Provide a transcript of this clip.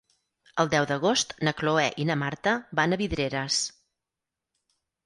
El deu d'agost na Cloè i na Marta van a Vidreres.